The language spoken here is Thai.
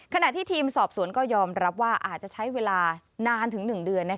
ขณะที่ทีมสอบสวนก็ยอมรับว่าอาจจะใช้เวลานานถึง๑เดือน